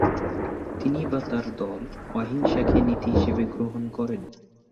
তিনি বা তার দল অহিংসাকে নীতি হিসাবে গ্রহণ করেনি।